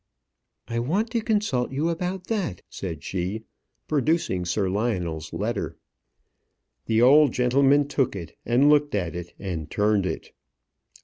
"I want to consult you about that," said she, producing Sir Lionel's letter. The old gentleman took it, and looked at it, and turned it.